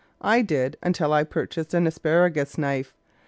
I did until I purchased an asparagus knife.